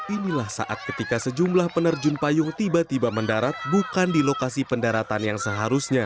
inilah saat ketika sejumlah penerjun payung tiba tiba mendarat bukan di lokasi pendaratan yang seharusnya